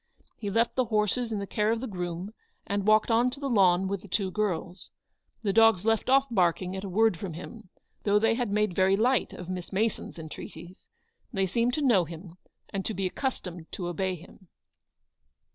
He left the horses in the care of the groom, and walked on to the lawn with the two girls. The dogs left off barking at a word from him, though they had made very light of Miss Mason's en treaties. They seemed to know him, and to be accustomed to obey him.